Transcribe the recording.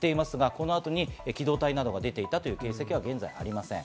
この後、機動隊などが出ていったということはありません。